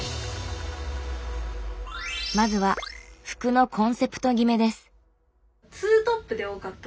まずは服のコンセプト決めです。